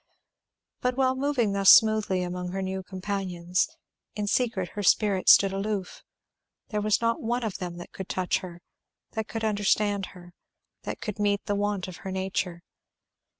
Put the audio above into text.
But while moving thus smoothly among her new companions, in secret her spirit stood aloof; there was not one of them that could touch her, that could understand her, that could meet the want of her nature.